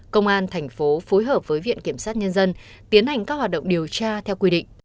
công an thành phố phối hợp với viện kiểm sát nhân dân tiến hành các hoạt động điều tra theo quy định